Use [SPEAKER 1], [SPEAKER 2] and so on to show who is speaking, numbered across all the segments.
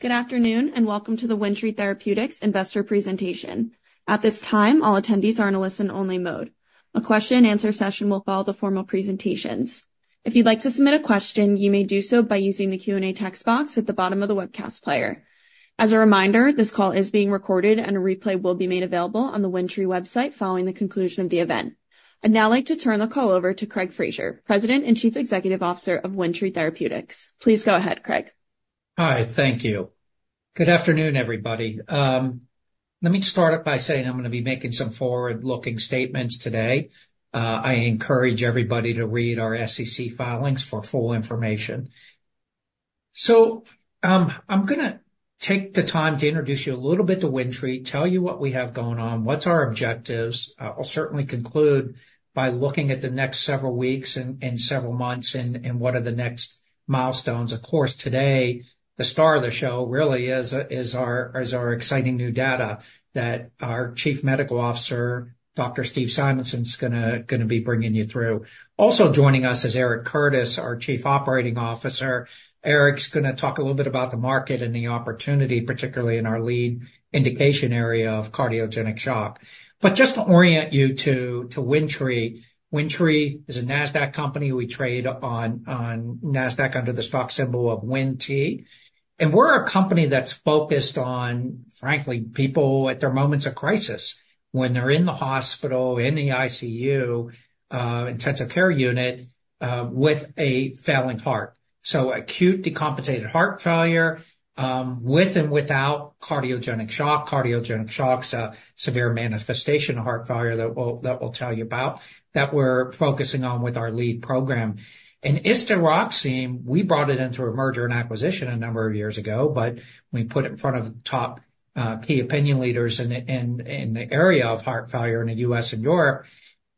[SPEAKER 1] Good afternoon, and welcome to the WindTree Therapeutics investor presentation. At this time, all attendees are in a listen-only mode. A question and answer session will follow the formal presentations. If you'd like to submit a question, you may do so by using the Q&A text box at the bottom of the webcast player. As a reminder, this call is being recorded, and a replay will be made available on the WindTree website following the conclusion of the event. I'd now like to turn the call over to Craig Fraser, President and Chief Executive Officer of WindTree Therapeutics. Please go ahead, Craig.
[SPEAKER 2] Hi, thank you. Good afternoon, everybody. Let me start up by saying I'm gonna be making some forward-looking statements today. I encourage everybody to read our SEC filings for full information. So, I'm gonna take the time to introduce you a little bit to WindTree, tell you what we have going on, what's our objectives. I'll certainly conclude by looking at the next several weeks and several months and what are the next milestones. Of course, today, the star of the show really is our exciting new data that our Chief Medical Officer, Dr. Steve Simonson, is gonna be bringing you through. Also joining us is Eric Curtis, our Chief Operating Officer. Eric's gonna talk a little bit about the market and the opportunity, particularly in our lead indication area of cardiogenic shock. But just to orient you to WindTree. WindTree is a Nasdaq company. We trade on Nasdaq under the stock symbol of WINT. And we're a company that's focused on, frankly, people at their moments of crisis when they're in the hospital, in the ICU, intensive care unit, with a failing heart. So acute decompensated heart failure, with and without cardiogenic shock. Cardiogenic shock's a severe manifestation of heart failure that we'll tell you about, that we're focusing on with our lead program. And istaroxime, we brought it in through a merger and acquisition a number of years ago, but we put it in front of top key opinion leaders in the area of heart failure in the U.S. and Europe.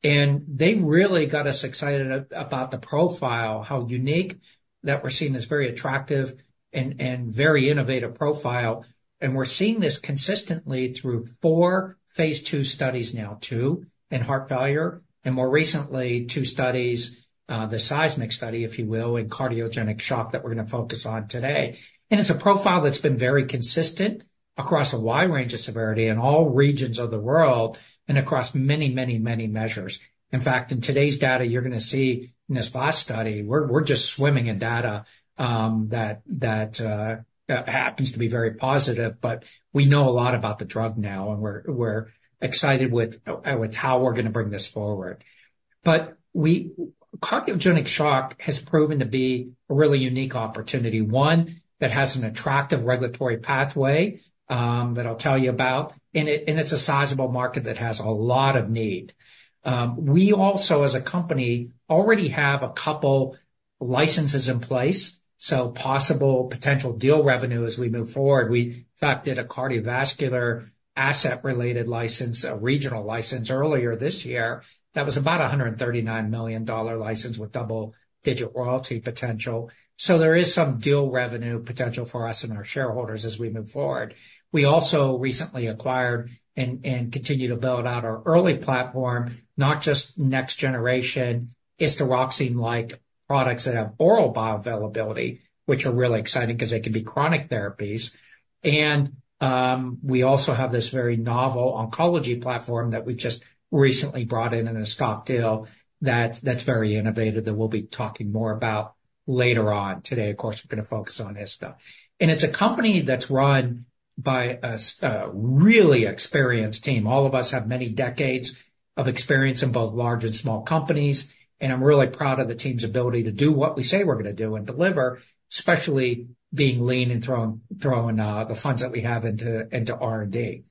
[SPEAKER 2] And they really got us excited about the profile, how unique that we're seeing this very attractive and very innovative profile. And we're seeing this consistently through four phase II studies now, two in heart failure, and more recently, two studies, the SEISMiC study, if you will, in cardiogenic shock that we're gonna focus on today. And it's a profile that's been very consistent across a wide range of severity in all regions of the world and across many, many, many measures. In fact, in today's data, you're gonna see in this last study, we're just swimming in data that happens to be very positive. But we know a lot about the drug now, and we're excited with how we're gonna bring this forward. But we... Cardiogenic shock has proven to be a really unique opportunity, one that has an attractive regulatory pathway, that I'll tell you about, and it's a sizable market that has a lot of need. We also, as a company, already have a couple licenses in place, so possible potential deal revenue as we move forward. We, in fact, did a cardiovascular asset-related license, a regional license earlier this year that was about a $139 million license with double-digit royalty potential. So there is some deal revenue potential for us and our shareholders as we move forward. We also recently acquired and continue to build out our early platform, not just next generation, istaroxime-like products that have oral bioavailability, which are really exciting 'cause they can be chronic therapies. And we also have this very novel oncology platform that we just recently brought in, in a stock deal that's very innovative, that we'll be talking more about later on. Today, of course, we're gonna focus on ista. And it's a company that's run by a really experienced team. All of us have many decades of experience in both large and small companies, and I'm really proud of the team's ability to do what we say we're gonna do and deliver, especially being lean and throwing the funds that we have into R&D.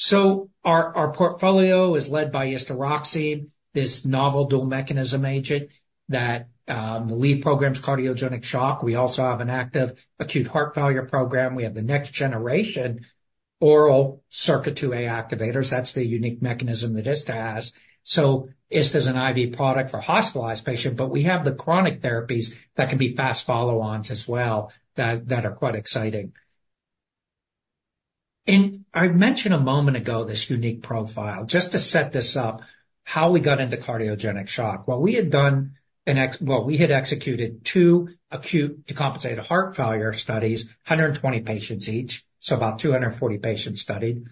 [SPEAKER 2] So our portfolio is led by istaroxime, this novel dual mechanism agent that the lead program's cardiogenic shock. We also have an active acute heart failure program. We have the next generation oral SERCA2a activators. That's the unique mechanism that ista has. So ista's an IV product for hospitalized patients, but we have the chronic therapies that can be fast follow-ons as well, that are quite exciting, and I mentioned a moment ago this unique profile. Just to set this up, how we got into cardiogenic shock. Well, we had executed two acute decompensated heart failure studies, 120 patients each, so about 240 patients studied,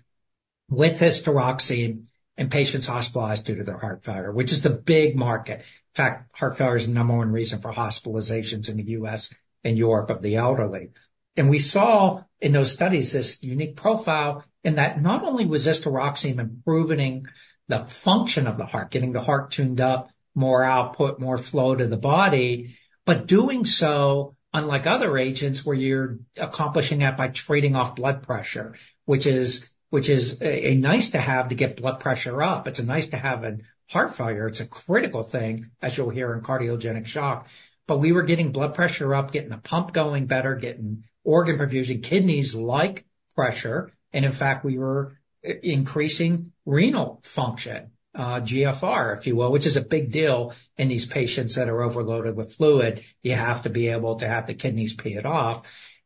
[SPEAKER 2] with istaroxime in patients hospitalized due to their heart failure, which is the big market. In fact, heart failure is the number one reason for hospitalizations in the U.S. and Europe of the elderly. And we saw in those studies this unique profile, in that not only was istaroxime improving the function of the heart, getting the heart tuned up, more output, more flow to the body, but doing so, unlike other agents, where you're accomplishing that by trading off blood pressure, which is a nice to have to get blood pressure up. It's a nice to have in heart failure. It's a critical thing, as you'll hear, in cardiogenic shock. But we were getting blood pressure up, getting the pump going better, getting organ perfusion. Kidneys like pressure, and in fact, we were increasing renal function, GFR, if you will, which is a big deal in these patients that are overloaded with fluid. You have to be able to have the kidneys pee it off,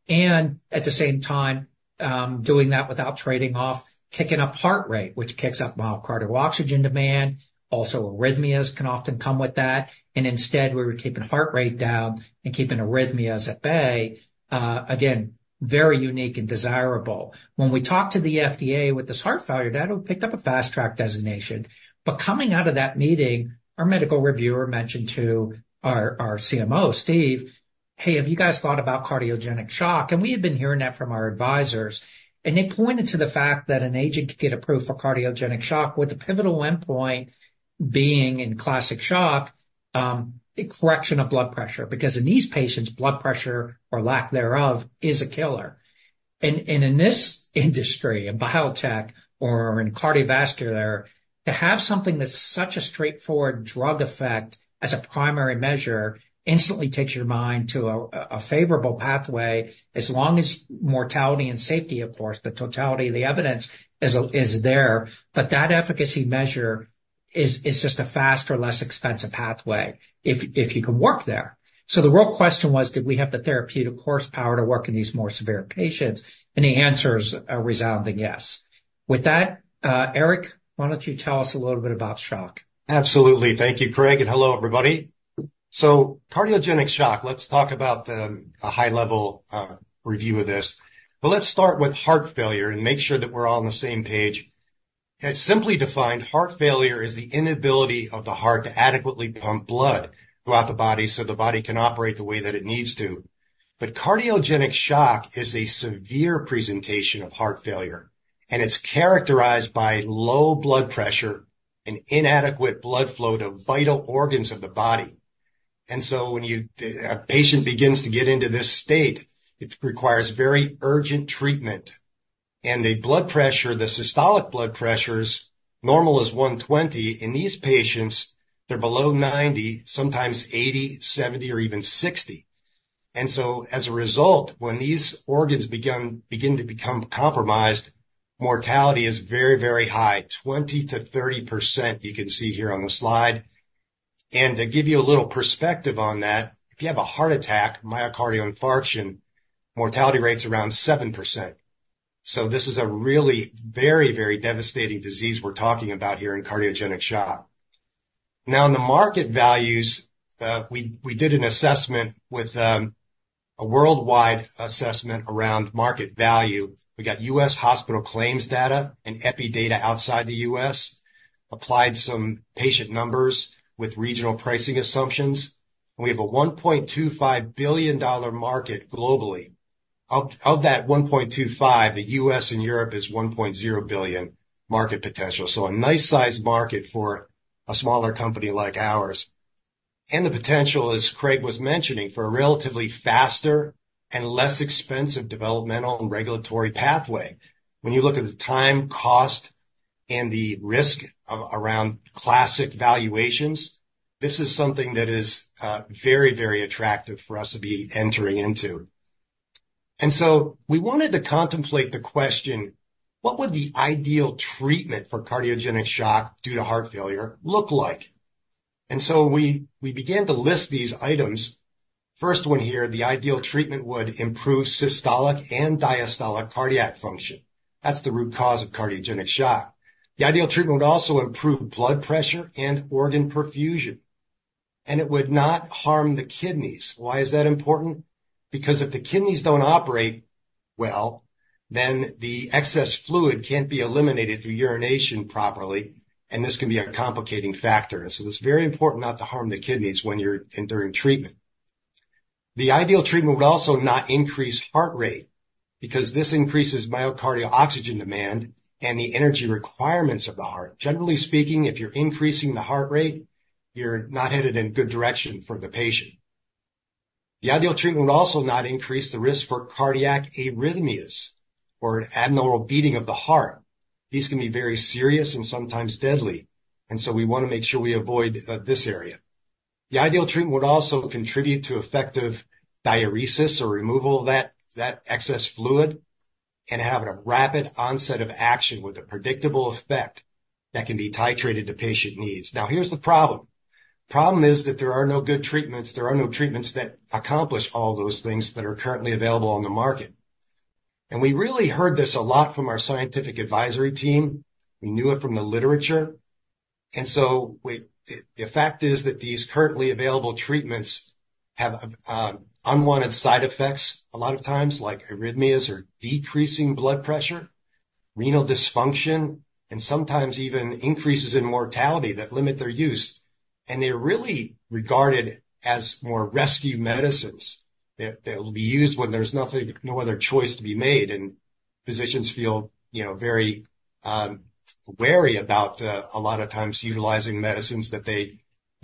[SPEAKER 2] and at the same time, doing that without trading off, kicking up heart rate, which kicks up myocardial oxygen demand. Also, arrhythmias can often come with that, and instead, we were keeping heart rate down and keeping arrhythmias at bay. Again, very unique and desirable. When we talked to the FDA with this heart failure data, it picked up a fast track designation, but coming out of that meeting, our medical reviewer mentioned to our CMO, Steve. "Hey, have you guys thought about cardiogenic shock?" And we had been hearing that from our advisors, and they pointed to the fact that an agent could get approved for cardiogenic shock, with the pivotal endpoint being in classic shock, a correction of blood pressure, because in these patients, blood pressure or lack thereof, is a killer. In this industry, in biotech or in cardiovascular, to have something that's such a straightforward drug effect as a primary measure, instantly takes your mind to a favorable pathway, as long as mortality and safety, of course, the totality of the evidence is there. But that efficacy measure is just a faster, less expensive pathway if you can work there. So the real question was, do we have the therapeutic horsepower to work in these more severe patients? And the answer is a resounding yes. With that, Eric, why don't you tell us a little bit about shock?
[SPEAKER 3] Absolutely. Thank you, Craig, and hello, everybody. So cardiogenic shock, let's talk about a high level review of this. But let's start with heart failure and make sure that we're all on the same page. As simply defined, heart failure is the inability of the heart to adequately pump blood throughout the body so the body can operate the way that it needs to. But cardiogenic shock is a severe presentation of heart failure, and it's characterized by low blood pressure and inadequate blood flow to vital organs of the body. And so when a patient begins to get into this state, it requires very urgent treatment, and the blood pressure, the systolic blood pressure's normal is 120. In these patients, they're below 90, sometimes 80, 70, or even 60. As a result, when these organs begin to become compromised, mortality is very, very high, 20%-30%, you can see here on the slide. To give you a little perspective on that, if you have a heart attack, myocardial infarction, mortality rate's around 7%. This is a really very, very devastating disease we're talking about here in cardiogenic shock. Now, in the market values, we did an assessment with a worldwide assessment around market value. We got U.S. hospital claims data and epi data outside the U.S., applied some patient numbers with regional pricing assumptions. We have a $1.25 billion market globally. Of that $1.25 billion, the U.S. and Europe is $1.0 billion market potential. A nice-sized market for a smaller company like ours. The potential, as Craig was mentioning, for a relatively faster and less expensive developmental and regulatory pathway. When you look at the time, cost, and the risk of around classic valuations, this is something that is very, very attractive for us to be entering into. We wanted to contemplate the question: What would the ideal treatment for cardiogenic shock due to heart failure look like? We began to list these items. First one here, the ideal treatment would improve systolic and diastolic cardiac function. That's the root cause of cardiogenic shock. The ideal treatment would also improve blood pressure and organ perfusion, and it would not harm the kidneys. Why is that important? Because if the kidneys don't operate well, then the excess fluid can't be eliminated through urination properly, and this can be a complicating factor. So it's very important not to harm the kidneys during treatment. The ideal treatment would also not increase heart rate, because this increases myocardial oxygen demand and the energy requirements of the heart. Generally speaking, if you're increasing the heart rate, you're not headed in a good direction for the patient. The ideal treatment would also not increase the risk for cardiac arrhythmias or abnormal beating of the heart. These can be very serious and sometimes deadly, and so we want to make sure we avoid this area. The ideal treatment would also contribute to effective diuresis or removal of that excess fluid, and have a rapid onset of action with a predictable effect that can be titrated to patient needs. Now, here's the problem. Problem is that there are no good treatments. There are no treatments that accomplish all those things that are currently available on the market, and we really heard this a lot from our scientific advisory team. We knew it from the literature, and so the fact is that these currently available treatments have unwanted side effects a lot of times, like arrhythmias or decreasing blood pressure, renal dysfunction, and sometimes even increases in mortality that limit their use, and they're really regarded as more rescue medicines that will be used when there's nothing, no other choice to be made, and physicians feel, you know, very wary about a lot of times utilizing medicines that they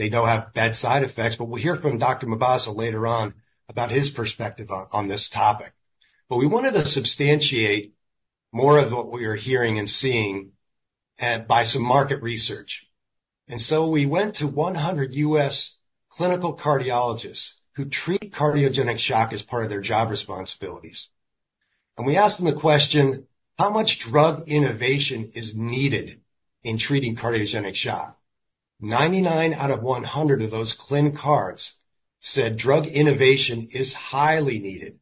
[SPEAKER 3] know have bad side effects, but we'll hear from Dr. Mebazaa later on about his perspective on this topic. But we wanted to substantiate more of what we are hearing and seeing by some market research. And so we went to 100 US clinical cardiologists who treat cardiogenic shock as part of their job responsibilities. And we asked them a question: How much drug innovation is needed in treating cardiogenic shock? 99 out of 100 of those clin cards said drug innovation is highly needed.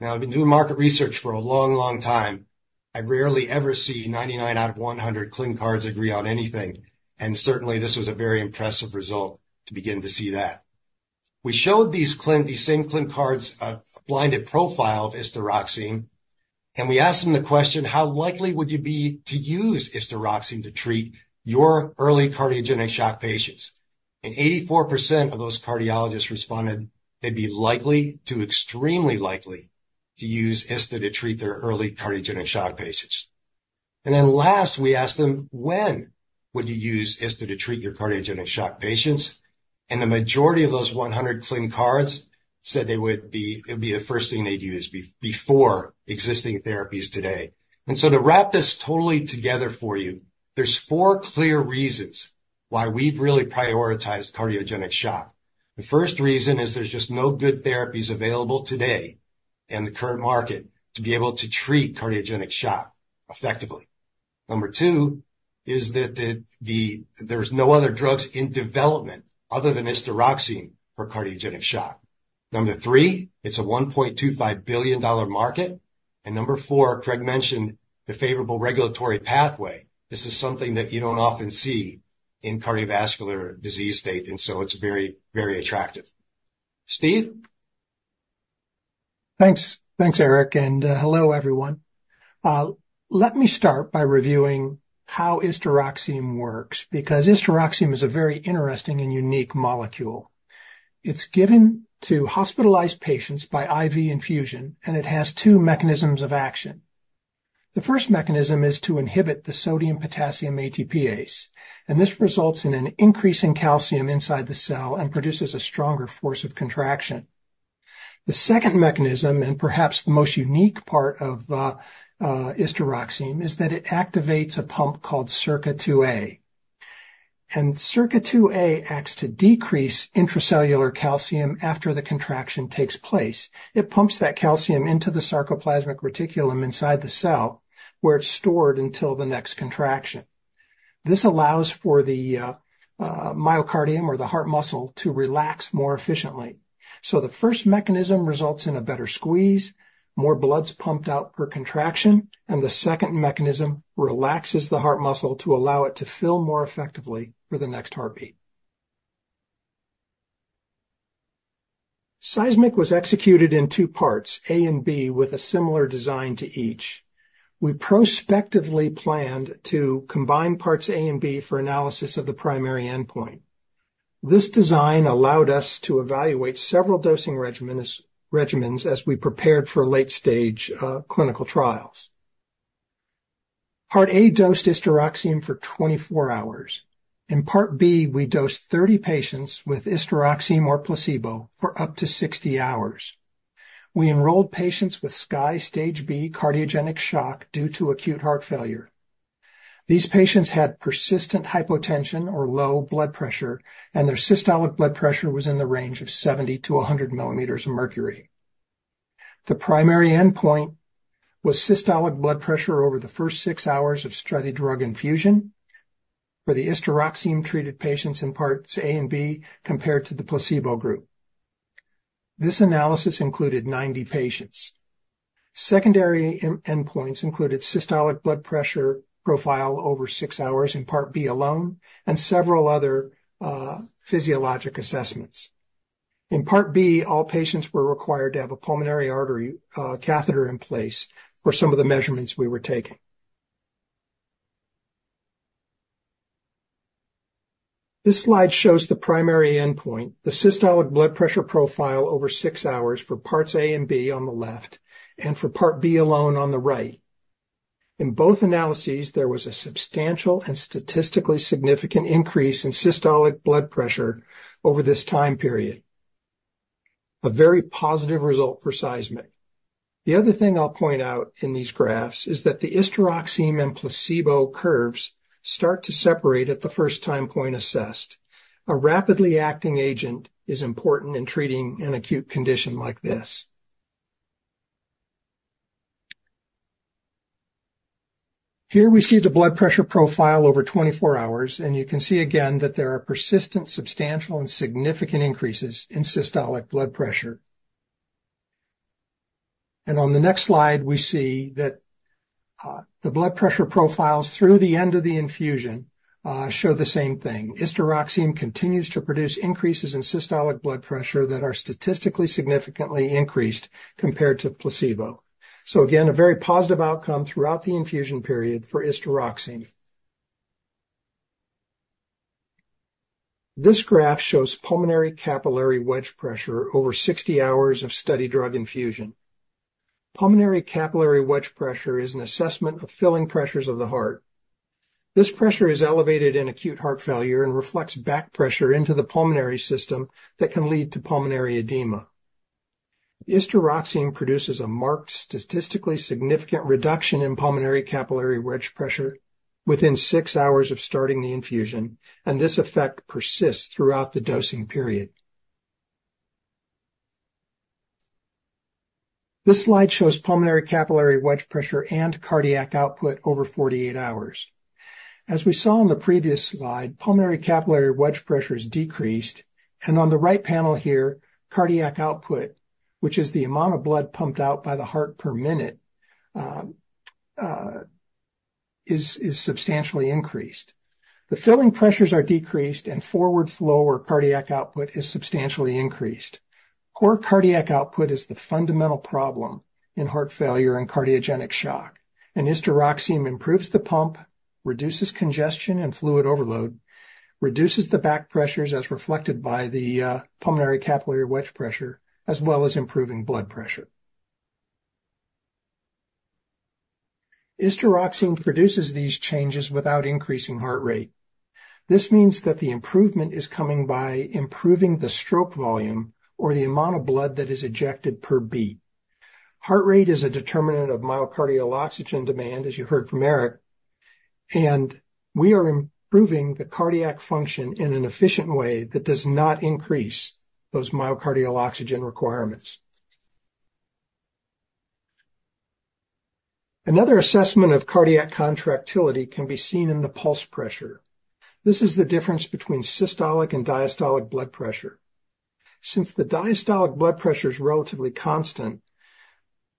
[SPEAKER 3] Now, I've been doing market research for a long, long time. I rarely ever see 99 out of 100 clin cards agree on anything, and certainly, this was a very impressive result to begin to see that. We showed these same clin cards a blinded profile of istaroxime. We asked them the question: "How likely would you be to use istaroxime to treat your early cardiogenic shock patients?" 84% of those cardiologists responded they'd be likely to extremely likely to use ista to treat their early cardiogenic shock patients. Then last, we asked them, "When would you use ista to treat your cardiogenic shock patients?" The majority of those 100 clin cards said it would be the first thing they'd use before existing therapies today. So to wrap this totally together for you, there's four clear reasons why we've really prioritized cardiogenic shock. The first reason is there's just no good therapies available today in the current market to be able to treat cardiogenic shock effectively. Number two is that there's no other drugs in development other than istaroxime for cardiogenic shock. Number three, it's a $1.25 billion market. And number four, Craig mentioned the favorable regulatory pathway. This is something that you don't often see in cardiovascular disease state, and so it's very, very attractive. Steve?
[SPEAKER 4] Thanks. Thanks, Eric, and, hello, everyone. Let me start by reviewing how istaroxime works, because istaroxime is a very interesting and unique molecule. It's given to hospitalized patients by IV infusion, and it has two mechanisms of action. The first mechanism is to inhibit the sodium-potassium ATPase, and this results in an increase in calcium inside the cell and produces a stronger force of contraction. The second mechanism, and perhaps the most unique part of istaroxime, is that it activates a pump called SERCA2a. And SERCA2a acts to decrease intracellular calcium after the contraction takes place. It pumps that calcium into the sarcoplasmic reticulum inside the cell, where it's stored until the next contraction. This allows for the myocardium or the heart muscle to relax more efficiently. The first mechanism results in a better squeeze, more blood's pumped out per contraction, and the second mechanism relaxes the heart muscle to allow it to fill more effectively for the next heartbeat. SEISMiC was executed in two parts, A and B, with a similar design to each. We prospectively planned to combine parts A and B for analysis of the primary endpoint. This design allowed us to evaluate several dosing regimens as we prepared for late-stage clinical trials. Part A dosed istaroxime for 24 hours. In Part B, we dosed 30 patients with istaroxime or placebo for up to 60 hours. We enrolled patients with SCAI Stage B cardiogenic shock due to acute heart failure. These patients had persistent hypotension or low blood pressure, and their systolic blood pressure was in the range of 70mmHg-100mmHg. The primary endpoint was systolic blood pressure over the first six hours of study drug infusion for the istaroxime-treated patients in Parts A and B, compared to the placebo group. This analysis included 90 patients. Secondary endpoints included systolic blood pressure profile over six hours in Part B alone and several other physiologic assessments. In Part B, all patients were required to have a pulmonary artery catheter in place for some of the measurements we were taking. This slide shows the primary endpoint, the systolic blood pressure profile over six hours for Parts A and B on the left, and for Part B alone on the right. In both analyses, there was a substantial and statistically significant increase in systolic blood pressure over this time period, a very positive result for SEISMiC. The other thing I'll point out in these graphs is that the istaroxime and placebo curves start to separate at the first time point assessed. A rapidly acting agent is important in treating an acute condition like this. Here we see the blood pressure profile over twenty-four hours, and you can see again that there are persistent, substantial, and significant increases in systolic blood pressure. And on the next slide, we see that, the blood pressure profiles through the end of the infusion, show the same thing. Istaroxime continues to produce increases in systolic blood pressure that are statistically significantly increased compared to placebo. So again, a very positive outcome throughout the infusion period for istaroxime. This graph shows pulmonary capillary wedge pressure over 60 hours of study drug infusion. Pulmonary capillary wedge pressure is an assessment of filling pressures of the heart. This pressure is elevated in acute heart failure and reflects back pressure into the pulmonary system that can lead to pulmonary edema. Istaroxime produces a marked statistically significant reduction in pulmonary capillary wedge pressure within six hours of starting the infusion, and this effect persists throughout the dosing period. This slide shows pulmonary capillary wedge pressure and cardiac output over 48 hours. As we saw in the previous slide, pulmonary capillary wedge pressure is decreased, and on the right panel here, cardiac output, which is the amount of blood pumped out by the heart per minute, is substantially increased. The filling pressures are decreased, and forward flow or cardiac output is substantially increased. Poor cardiac output is the fundamental problem in heart failure and cardiogenic shock, and istaroxime improves the pump, reduces congestion and fluid overload, reduces the back pressures as reflected by the pulmonary capillary wedge pressure, as well as improving blood pressure. Istaroxime produces these changes without increasing heart rate. This means that the improvement is coming by improving the stroke volume or the amount of blood that is ejected per beat. Heart rate is a determinant of myocardial oxygen demand, as you heard from Eric, and we are improving the cardiac function in an efficient way that does not increase those myocardial oxygen requirements. Another assessment of cardiac contractility can be seen in the pulse pressure. This is the difference between systolic and diastolic blood pressure. Since the diastolic blood pressure is relatively constant,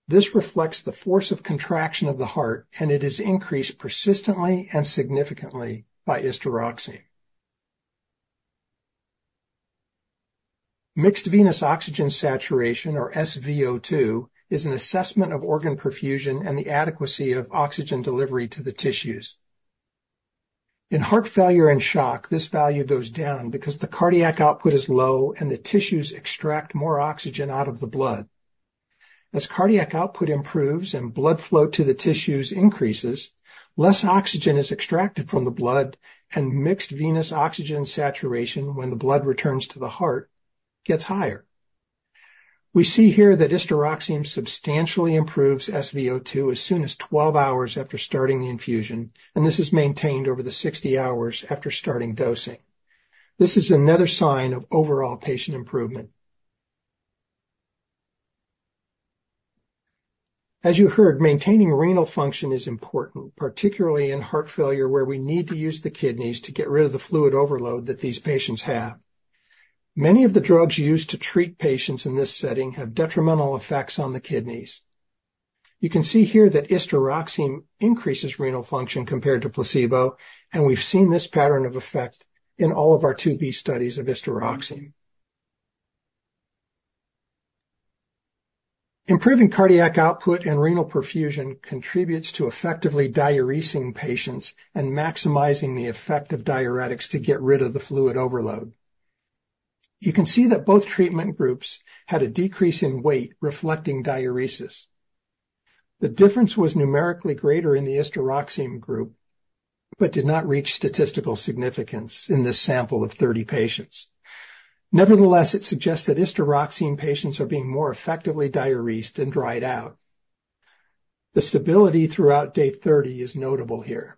[SPEAKER 4] this reflects the force of contraction of the heart, and it is increased persistently and significantly by istaroxime. Mixed venous oxygen saturation, or SvO2, is an assessment of organ perfusion and the adequacy of oxygen delivery to the tissues. In heart failure and shock, this value goes down because the cardiac output is low and the tissues extract more oxygen out of the blood. As cardiac output improves and blood flow to the tissues increases, less oxygen is extracted from the blood, and mixed venous oxygen saturation, when the blood returns to the heart, gets higher. We see here that istaroxime substantially improves SvO2 as soon as 12 hours after starting the infusion, and this is maintained over the 60 hours after starting dosing. This is another sign of overall patient improvement. As you heard, maintaining renal function is important, particularly in heart failure, where we need to use the kidneys to get rid of the fluid overload that these patients have. Many of the drugs used to treat patients in this setting have detrimental effects on the kidneys. You can see here that istaroxime increases renal function compared to placebo, and we've seen this pattern of effect in all of our II-B studies of istaroxime. Improving cardiac output and renal perfusion contributes to effectively diuresing patients and maximizing the effect of diuretics to get rid of the fluid overload. You can see that both treatment groups had a decrease in weight, reflecting diuresis. The difference was numerically greater in the istaroxime group, but did not reach statistical significance in this sample of 30 patients. Nevertheless, it suggests that istaroxime patients are being more effectively diuresed and dried out. The stability throughout day 30 is notable here.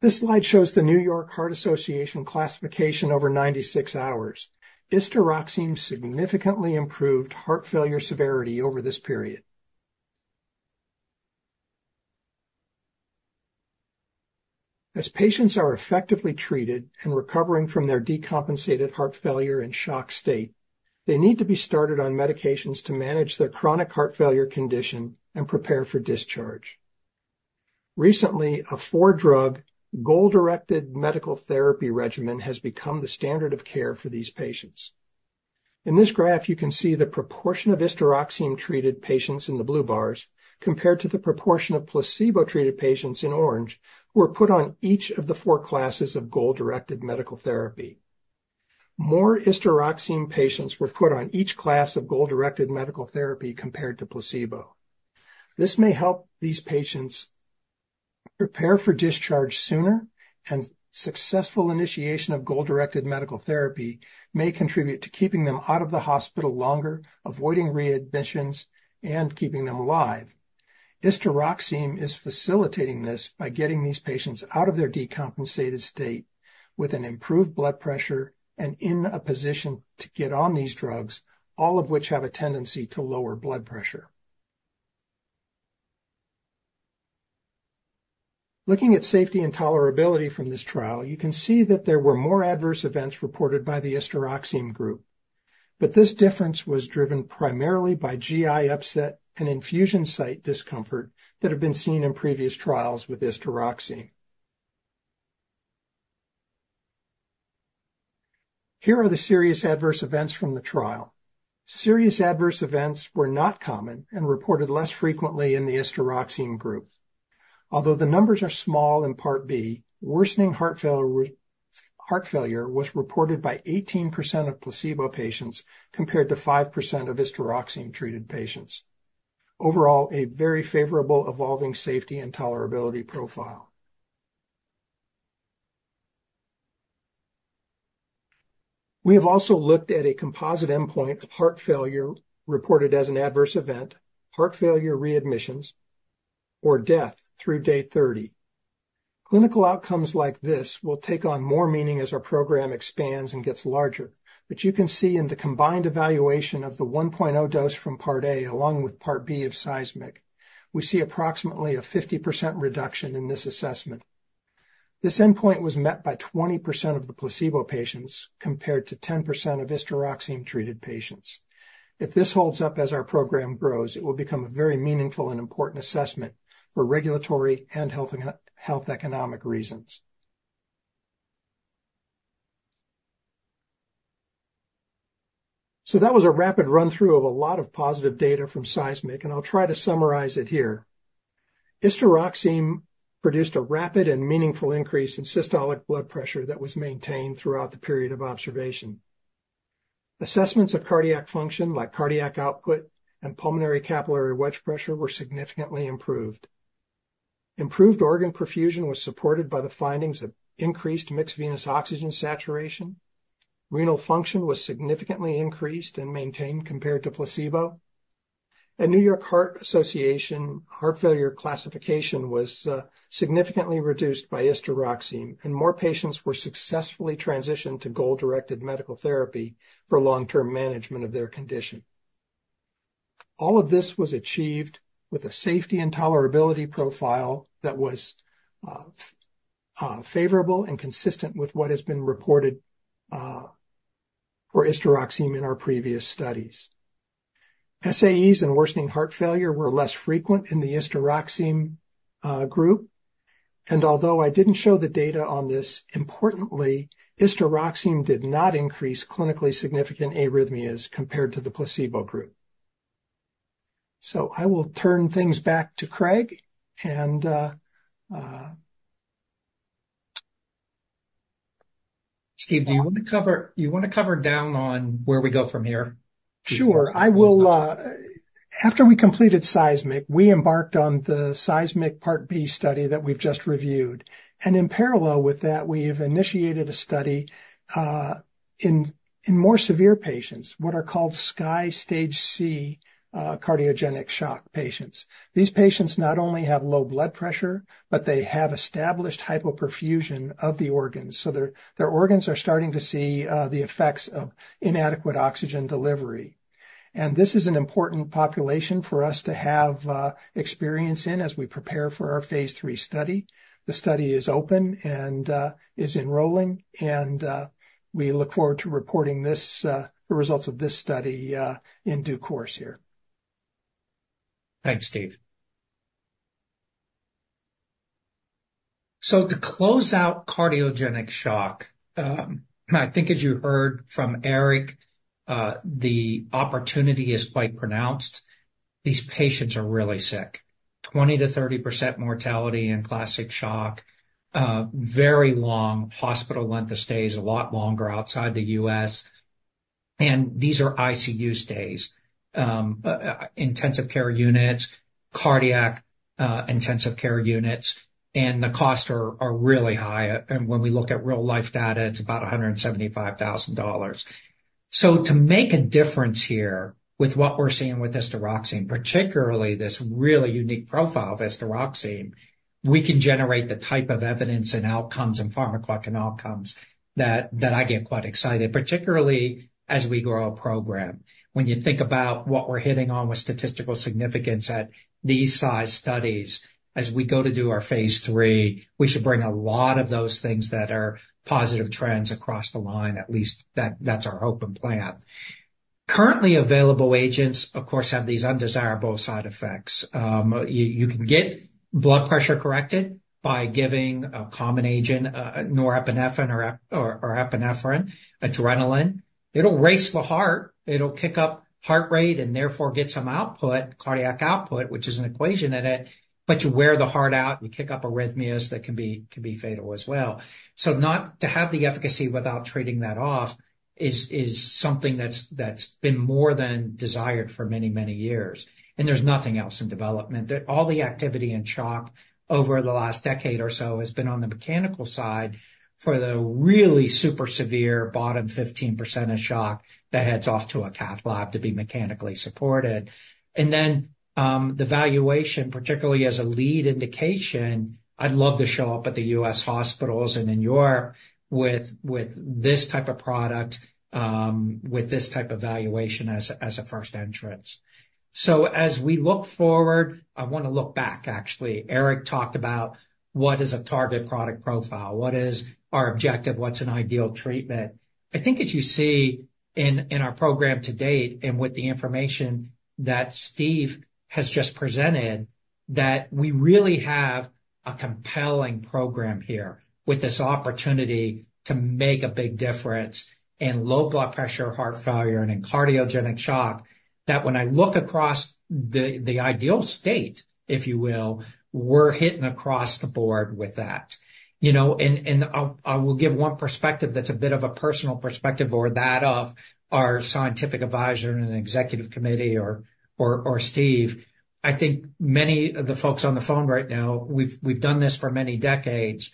[SPEAKER 4] This slide shows the New York Heart Association classification over 96 hours. Istaroxime significantly improved heart failure severity over this period. As patients are effectively treated and recovering from their decompensated heart failure and shock state, they need to be started on medications to manage their chronic heart failure condition and prepare for discharge. Recently, a four-drug goal-directed medical therapy regimen has become the standard of care for these patients. In this graph, you can see the proportion of istaroxime-treated patients in the blue bars, compared to the proportion of placebo-treated patients in orange, who were put on each of the four classes of goal-directed medical therapy. More istaroxime patients were put on each class of goal-directed medical therapy compared to placebo. This may help these patients prepare for discharge sooner, and successful initiation of goal-directed medical therapy may contribute to keeping them out of the hospital longer, avoiding readmissions, and keeping them alive. Istaroxime is facilitating this by getting these patients out of their decompensated state with an improved blood pressure and in a position to get on these drugs, all of which have a tendency to lower blood pressure. Looking at safety and tolerability from this trial, you can see that there were more adverse events reported by the istaroxime group, but this difference was driven primarily by GI upset and infusion site discomfort that have been seen in previous trials with istaroxime. Here are the serious adverse events from the trial. Serious adverse events were not common and reported less frequently in the istaroxime group. Although the numbers are small in Part B, worsening heart failure heart failure was reported by 18% of placebo patients, compared to 5% of istaroxime-treated patients. Overall, a very favorable evolving safety and tolerability profile. We have also looked at a composite endpoint of heart failure reported as an adverse event, heart failure readmissions, or death through day 30. Clinical outcomes like this will take on more meaning as our program expands and gets larger, but you can see in the combined evaluation of the 1.0 dose from Part A, along with Part B of SEISMiC, we see approximately a 50% reduction in this assessment. This endpoint was met by 20% of the placebo patients, compared to 10% of istaroxime-treated patients. If this holds up as our program grows, it will become a very meaningful and important assessment for regulatory and health and health economic reasons. So that was a rapid run-through of a lot of positive data from SEISMiC, and I'll try to summarize it here. Istaroxime produced a rapid and meaningful increase in systolic blood pressure that was maintained throughout the period of observation. Assessments of cardiac function, like cardiac output and pulmonary capillary wedge pressure, were significantly improved. Improved organ perfusion was supported by the findings of increased mixed venous oxygen saturation. Renal function was significantly increased and maintained compared to placebo. A New York Heart Association heart failure classification was significantly reduced by istaroxime, and more patients were successfully transitioned to goal-directed medical therapy for long-term management of their condition. All of this was achieved with a safety and tolerability profile that was favorable and consistent with what has been reported for istaroxime in our previous studies. SAEs and worsening heart failure were less frequent in the istaroxime group, and although I didn't show the data on this, importantly, istaroxime did not increase clinically significant arrhythmias compared to the placebo group. So I will turn things back to Craig, and.
[SPEAKER 2] Steve, do you want to cover down on where we go from here?
[SPEAKER 4] Sure. I will. After we completed SEISMiC, we embarked on the SEISMiC Part B study that we've just reviewed. And in parallel with that, we have initiated a study in more severe patients, what are called SCAI Stage C cardiogenic shock patients. These patients not only have low blood pressure, but they have established hypoperfusion of the organs. So their organs are starting to see the effects of inadequate oxygen delivery. And this is an important population for us to have experience in as we prepare for our phase III study. The study is open and is enrolling, and we look forward to reporting the results of this study in due course here.
[SPEAKER 2] Thanks, Steve. So to close out cardiogenic shock, I think as you heard from Eric, the opportunity is quite pronounced. These patients are really sick. 20%-30% mortality in classic shock, very long hospital length of stays, a lot longer outside the U.S., and these are ICU stays. Intensive care units, cardiac intensive care units, and the costs are really high. And when we look at real-life data, it's about $175,000. So to make a difference here with what we're seeing with istaroxime, particularly this really unique profile of istaroxime, we can generate the type of evidence and outcomes and pharmacologic outcomes that I get quite excited, particularly as we grow a program. When you think about what we're hitting on with statistical significance at these size studies, as we go to do our phase III, we should bring a lot of those things that are positive trends across the line. At least that's our hope and plan. Currently available agents, of course, have these undesirable side effects. You can get blood pressure corrected by giving a common agent, norepinephrine or epinephrine, adrenaline. It'll race the heart, it'll kick up heart rate and therefore get some output, cardiac output, which is an equation in it, but you wear the heart out, you kick up arrhythmias that can be fatal as well. So to have the efficacy without trading that off is something that's been more than desired for many years, and there's nothing else in development. All the activity in shock over the last decade or so has been on the mechanical side for the really super severe bottom 15% of shock that heads off to a cath lab to be mechanically supported. And then, the valuation, particularly as a lead indication, I'd love to show up at the U.S. hospitals and in Europe with this type of product, with this type of valuation as a first entrance. So as we look forward, I wanna look back, actually. Eric talked about what is a target product profile, what is our objective, what's an ideal treatment? I think as you see in our program to date, and with the information that Steve has just presented, that we really have a compelling program here with this opportunity to make a big difference in low blood pressure, heart failure, and in cardiogenic shock. That when I look across the ideal state, if you will, we're hitting across the board with that. You know, and I'll give one perspective that's a bit of a personal perspective or that of our scientific advisor and executive committee or Steve. I think many of the folks on the phone right now, we've done this for many decades.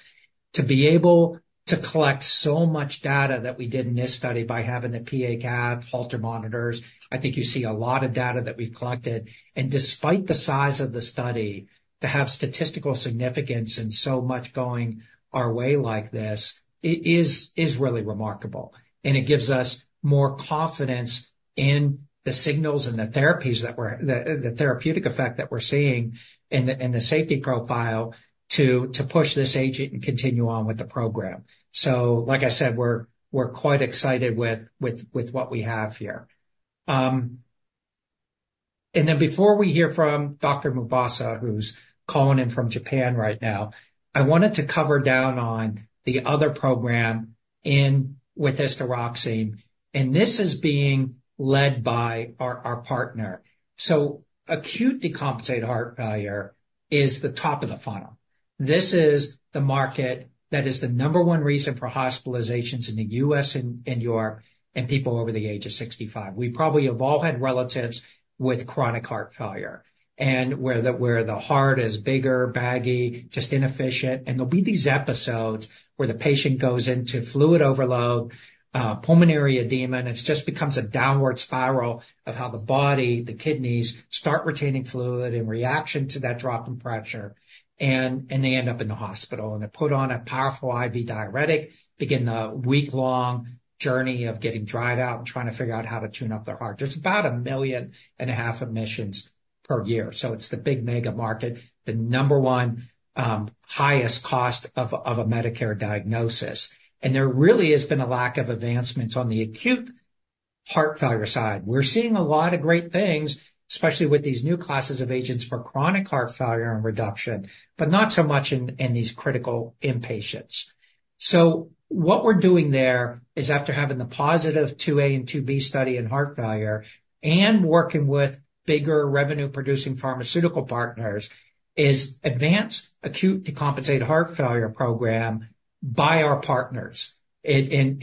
[SPEAKER 2] To be able to collect so much data that we did in this study by having the PAC and Holter monitors, I think you see a lot of data that we've collected. Despite the size of the study, to have statistical significance and so much going our way like this, it is really remarkable. It gives us more confidence in the signals and the therapeutic effect that we're seeing and the safety profile to push this agent and continue on with the program. Like I said, we're quite excited with what we have here. Before we hear from Dr. Mebazaa, who's calling in from Japan right now, I wanted to cover down on the other program with istaroxime, and this is being led by our partner. Acute decompensated heart failure is the top of the funnel. This is the market that is the number one reason for hospitalizations in the U.S. and Europe, and people over the age of 65. We probably have all had relatives with chronic heart failure, and where the heart is bigger, baggy, just inefficient. And there'll be these episodes where the patient goes into fluid overload, pulmonary edema, and it just becomes a downward spiral of how the body, the kidneys, start retaining fluid in reaction to that drop in pressure. And they end up in the hospital, and they're put on a powerful IV diuretic, begin a week-long journey of getting dried out and trying to figure out how to tune up their heart. There's about 1.5 million admissions per year, so it's the big mega market, the number one highest cost of a Medicare diagnosis. And there really has been a lack of advancements on the acute heart failure side. We're seeing a lot of great things, especially with these new classes of agents for chronic heart failure and reduction, but not so much in these critical inpatients. So what we're doing there is, after having the positive II-A and II-B study in heart failure, and working with bigger revenue-producing pharmaceutical partners, is advance acute decompensated heart failure program by our partners. And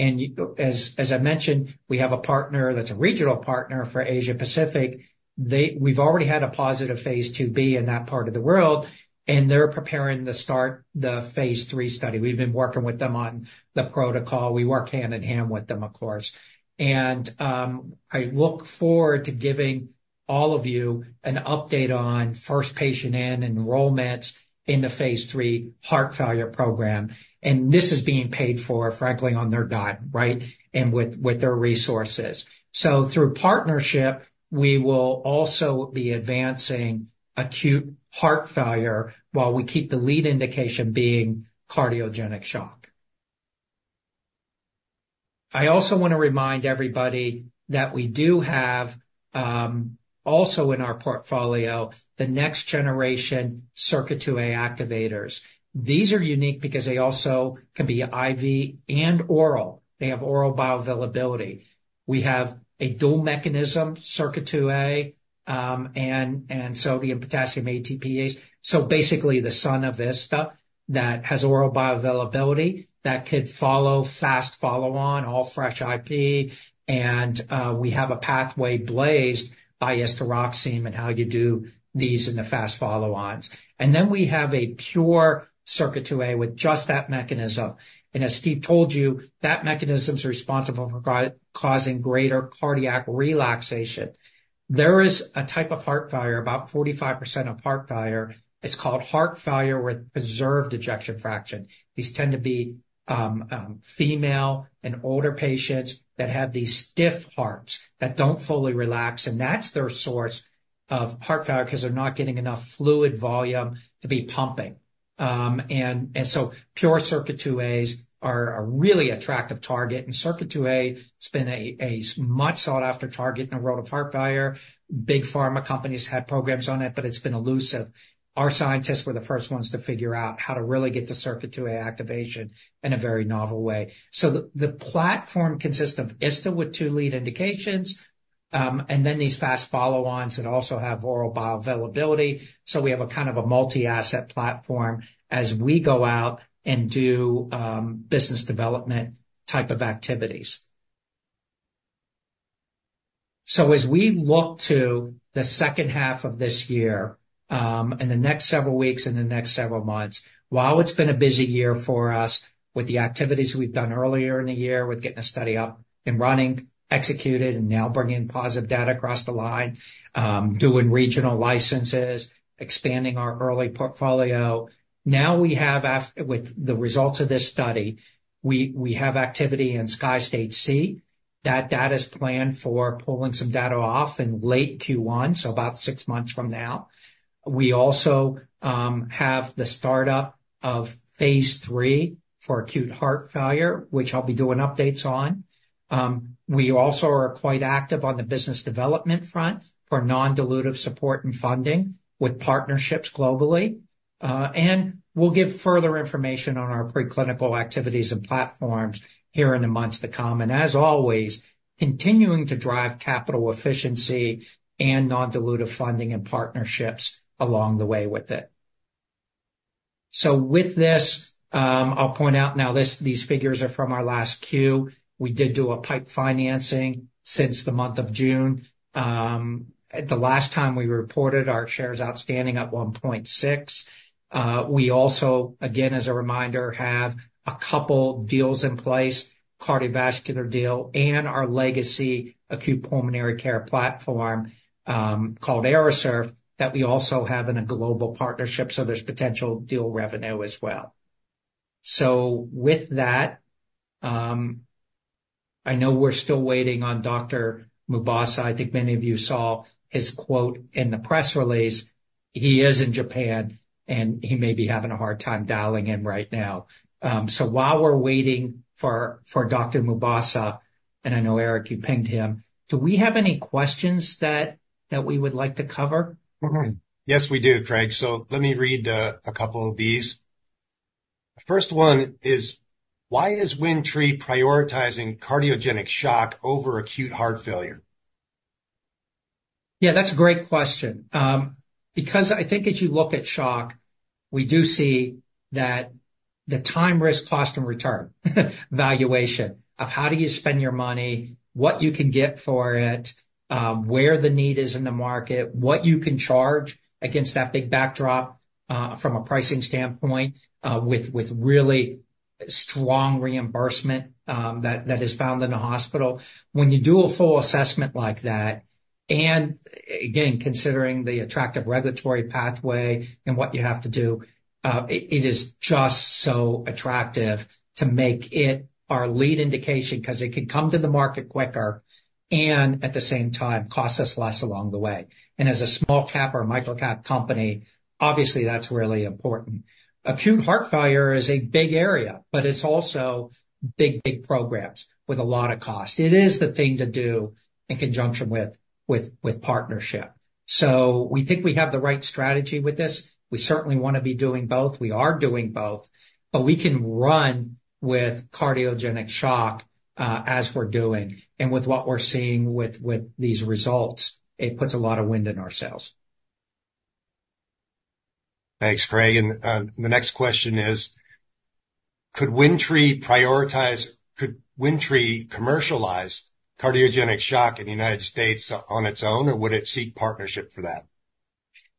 [SPEAKER 2] as I mentioned, we have a partner that's a regional partner for Asia-Pacific. We've already had a positive phase II-B in that part of the world, and they're preparing to start the phase III study. We've been working with them on the protocol. We work hand-in-hand with them, of course. And I look forward to giving all of you an update on first patient in enrollments in the phase III heart failure program. This is being paid for, frankly, on their dime, right, and with their resources. Through partnership, we will also be advancing acute heart failure while we keep the lead indication being cardiogenic shock. I also want to remind everybody that we do have also in our portfolio, the next generation SERCA2a activators. These are unique because they also can be IV and oral. They have oral bioavailability. We have a dual mechanism, SERCA2a, and sodium-potassium ATPase. So basically, the son of ista that has oral bioavailability that could follow, fast follow-on, all fresh IP, and we have a pathway blazed by istaroxime and how you do these in the fast follow-ons. Then we have a pure SERCA2a with just that mechanism. As Steve told you, that mechanism's responsible for causing greater cardiac relaxation. There is a type of heart failure, about 45% of heart failure. It's called heart failure with preserved ejection fraction. These tend to be female and older patients that have these stiff hearts that don't fully relax, and that's their source of heart failure, because they're not getting enough fluid volume to be pumping. So pure SERCA2as are a really attractive target. SERCA2a has been a much sought-after target in the world of heart failure. Big pharma companies had programs on it, but it's been elusive. Our scientists were the first ones to figure out how to really get to SERCA2a activation in a very novel way. So the platform consists of istaroxime with two lead indications, and then these fast follow-ons that also have oral bioavailability. We have a kind of a multi-asset platform as we go out and do business development type of activities. As we look to the second half of this year, in the next several weeks and the next several months, while it's been a busy year for us with the activities we've done earlier in the year with getting a study up and running, executed, and now bringing positive data across the line, doing regional licenses, expanding our early portfolio. Now with the results of this study, we have activity in SCAI Stage C. That data is planned for pulling some data off in late Q1, so about six months from now. We also have the startup of phase III for acute heart failure, which I'll be doing updates on. We also are quite active on the business development front for non-dilutive support and funding with partnerships globally, and we'll give further information on our preclinical activities and platforms here in the months to come, and as always, continuing to drive capital efficiency and non-dilutive funding and partnerships along the way with it, so with this, I'll point out now, this, these figures are from our last Q. We did do a PIPE financing since the month of June. At the last time we reported our shares outstanding at 1.6 million. We also, again, as a reminder, have a couple deals in place, cardiovascular deal and our legacy acute pulmonary care platform, called AEROSURF, that we also have in a global partnership, so there's potential deal revenue as well, so with that, I know we're still waiting on Dr. Mebazaa. I think many of you saw his quote in the press release. He is in Japan, and he may be having a hard time dialing in right now. So while we're waiting for Dr. Mebazaa, and I know, Eric, you pinged him, do we have any questions that we would like to cover?
[SPEAKER 3] Yes, we do, Craig. So let me read a couple of these. First one is: Why is WindTree prioritizing cardiogenic shock over acute heart failure?
[SPEAKER 2] Yeah, that's a great question. Because I think as you look at shock, we do see that the time, risk, cost, and return valuation of how do you spend your money, what you can get for it, where the need is in the market, what you can charge against that big backdrop, from a pricing standpoint, with really strong reimbursement, that is found in the hospital. When you do a full assessment like that, and, again, considering the attractive regulatory pathway and what you have to do, it is just so attractive to make it our lead indication, 'cause it can come to the market quicker and, at the same time, cost us less along the way, and as a small cap or a micro cap company, obviously, that's really important. Acute heart failure is a big area, but it's also big, big programs with a lot of cost. It is the thing to do in conjunction with partnership, so we think we have the right strategy with this. We certainly want to be doing both. We are doing both, but we can run with cardiogenic shock as we're doing, and with what we're seeing with these results, it puts a lot of wind in our sails.
[SPEAKER 3] Thanks, Craig. The next question is: Could WindTree commercialize cardiogenic shock in the United States on its own, or would it seek partnership for that?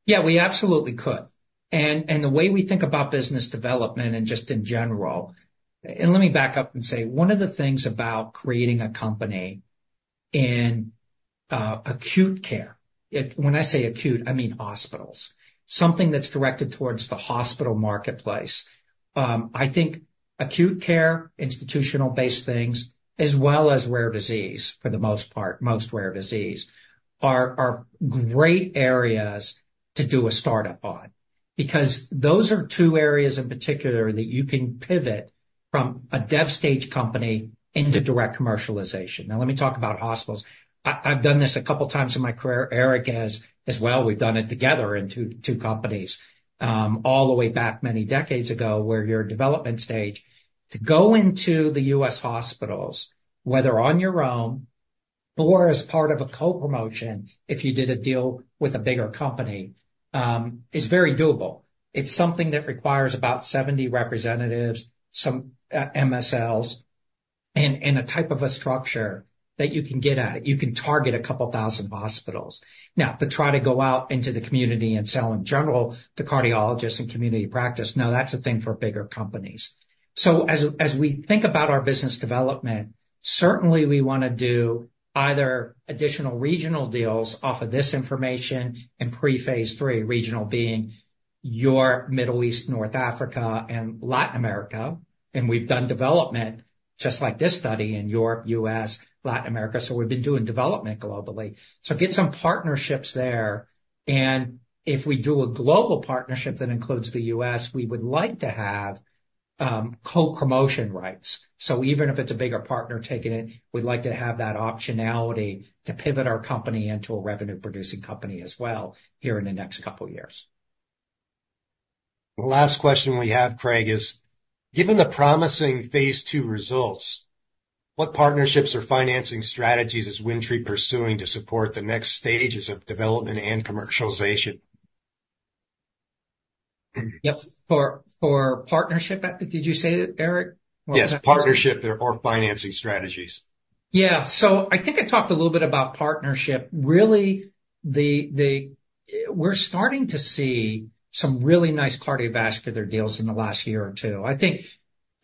[SPEAKER 2] Yeah, we absolutely could, and the way we think about business development and just in general, and let me back up and say, one of the things about creating a company in acute care, it, when I say acute, I mean hospitals, something that's directed towards the hospital marketplace. I think acute care, institutional-based things, as well as rare disease, for the most part, most rare disease, are great areas to do a startup on, because those are two areas in particular that you can pivot from a dev stage company into direct commercialization. Now, let me talk about hospitals. I've done this a couple times in my career. Eric has as well. We've done it together in two companies, all the way back many decades ago, where you're development stage. To go into the U.S. hospitals, whether on your own or as part of a co-promotion, if you did a deal with a bigger company, is very doable. It's something that requires about 70 representatives, some MSLs, and a type of a structure that you can get at it. You can target a couple thousand hospitals. Now, to try to go out into the community and sell in general to cardiologists and community practice, now, that's a thing for bigger companies. So as we think about our business development, certainly we wanna do either additional regional deals off of this information in pre-phase III, regional being your Middle East, North Africa, and Latin America. And we've done development, just like this study, in Europe, U.S., Latin America, so we've been doing development globally. So get some partnerships there, and if we do a global partnership that includes the U.S., we would like to have co-promotion rights. So even if it's a bigger partner taking it, we'd like to have that optionality to pivot our company into a revenue-producing company as well here in the next couple years.
[SPEAKER 3] The last question we have, Craig, is: given the promising phase II results, what partnerships or financing strategies is WindTree pursuing to support the next stages of development and commercialization?
[SPEAKER 2] Yep. For partnership, did you say, Eric?
[SPEAKER 3] Yes, partnership or financing strategies.
[SPEAKER 2] Yeah, so I think I talked a little bit about partnership. Really, we're starting to see some really nice cardiovascular deals in the last year or two. I think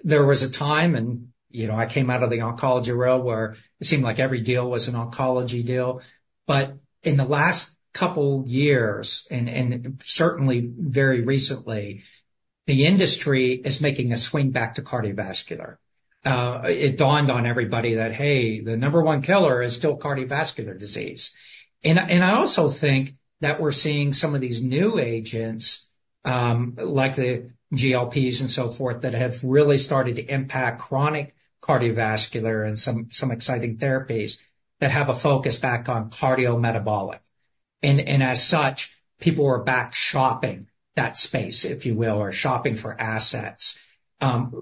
[SPEAKER 2] there was a time, and, you know, I came out of the oncology world, where it seemed like every deal was an oncology deal, but in the last couple years and certainly very recently, the industry is making a swing back to cardiovascular. It dawned on everybody that, hey, the number one killer is still cardiovascular disease, and I also think that we're seeing some of these new agents, like the GLPs and so forth, that have really started to impact chronic cardiovascular and some exciting therapies that have a focus back on cardiometabolic, and as such, people are back shopping that space, if you will, or shopping for assets.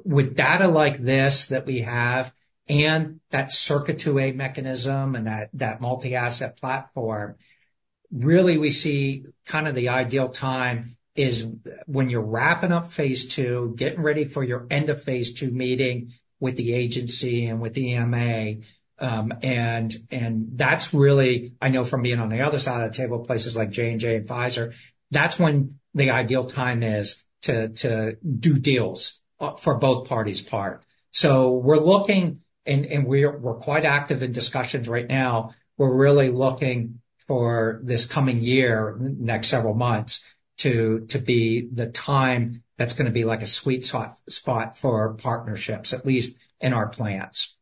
[SPEAKER 2] With data like this that we have and that SERCA2a mechanism and that multi-asset platform, really, we see kind of the ideal time is when you're wrapping up phase II, getting ready for your end of phase II meeting with the agency and with the EMA. That's really... I know from being on the other side of the table, places like J&J and Pfizer, that's when the ideal time is to do deals for both parties' part. We're looking and we're quite active in discussions right now. We're really looking for this coming year, next several months, to be the time that's gonna be like a sweet spot for partnerships, at least in our plans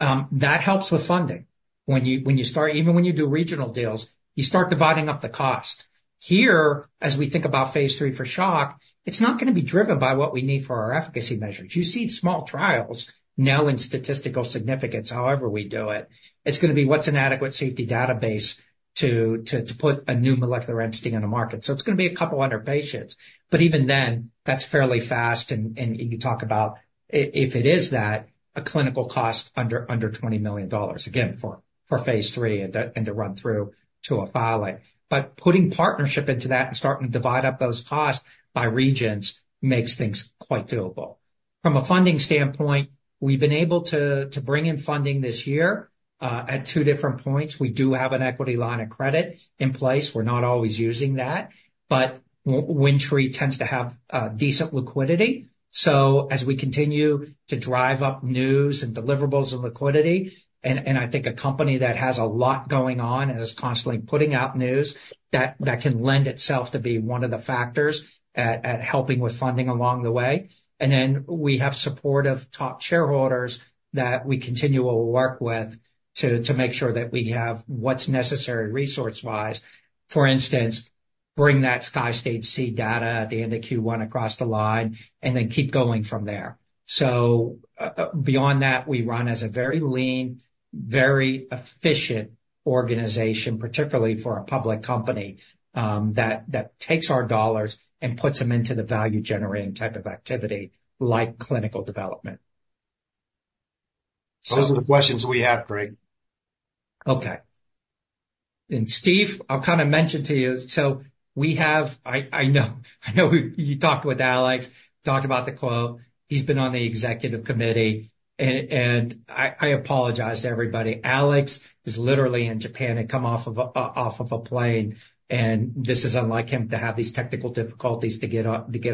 [SPEAKER 2] that helps with funding. When you start, even when you do regional deals, you start dividing up the cost. Here, as we think about phase III for shock, it's not gonna be driven by what we need for our efficacy measures. You see small trials now in statistical significance, however we do it, it's gonna be what's an adequate safety database to put a new molecular entity on the market. So it's gonna be a couple hundred patients, but even then, that's fairly fast, and you talk about if it is that, a clinical cost under $20 million, again, for phase III and to run through to a filing. But putting partnership into that and starting to divide up those costs by regions makes things quite doable. From a funding standpoint, we've been able to bring in funding this year at two different points. We do have an equity line of credit in place. We're not always using that, but WindTree tends to have decent liquidity. So as we continue to drive up news and deliverables and liquidity, and I think a company that has a lot going on and is constantly putting out news, that can lend itself to be one of the factors at helping with funding along the way. And then we have supportive top shareholders that we continually work with to make sure that we have what's necessary resource-wise. For instance, bring that SCAI Stage C data at the end of Q1 across the line and then keep going from there. Beyond that, we run as a very lean, very efficient organization, particularly for a public company, that takes our dollars and puts them into the value-generating type of activity, like clinical development.
[SPEAKER 3] Those are the questions we have, Craig.
[SPEAKER 2] Okay, and Steve, I'll kind of mention to you, so we have, I know you talked with Alex about the quote. He's been on the Executive Committee, and I apologize to everybody. Alex is literally in Japan and come off of a plane, and this is unlike him to have these technical difficulties to get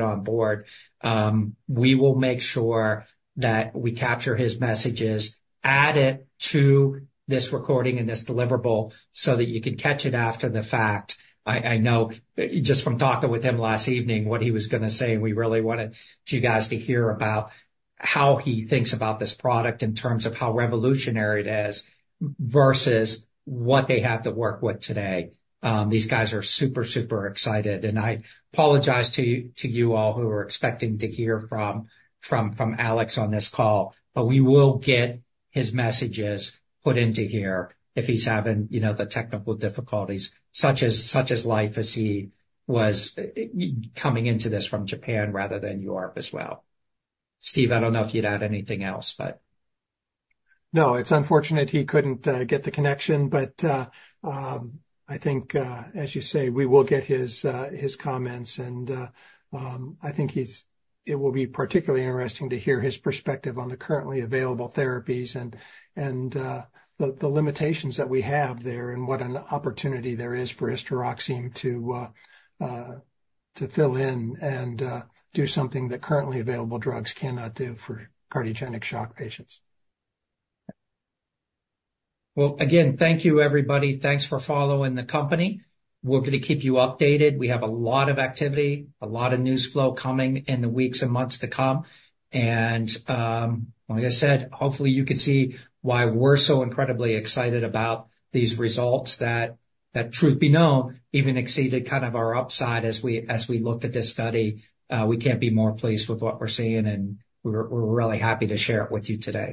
[SPEAKER 2] on board. We will make sure that we capture his messages, add it to this recording and this deliverable so that you can catch it after the fact. I know just from talking with him last evening what he was gonna say, and we really wanted you guys to hear about how he thinks about this product in terms of how revolutionary it is, versus what they have to work with today. These guys are super, super excited, and I apologize to you all who are expecting to hear from Alex on this call, but we will get his messages put into here if he's having, you know, the technical difficulties, such as life as he was coming into this from Japan rather than Europe as well. Steve, I don't know if you'd add anything else, but...
[SPEAKER 4] No, it's unfortunate he couldn't get the connection, but, I think, as you say, we will get his comments, and, I think it will be particularly interesting to hear his perspective on the currently available therapies and the limitations that we have there and what an opportunity there is for istaroxime to fill in and do something that currently available drugs cannot do for cardiogenic shock patients.
[SPEAKER 2] Again, thank you, everybody. Thanks for following the company. We're going to keep you updated. We have a lot of activity, a lot of news flow coming in the weeks and months to come, and like I said, hopefully, you can see why we're so incredibly excited about these results that truth be known, even exceeded kind of our upside as we looked at this study. We can't be more pleased with what we're seeing, and we're really happy to share it with you today.